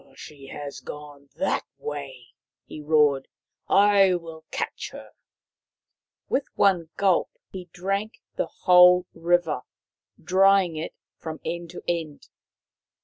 " She has gone that way !" he roared. " I will catch her." With one gulp he drank the whole river, drying it from end to end.